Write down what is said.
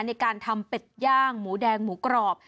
ในการทำเป็ดย่างหมูแดงหมูกรอบ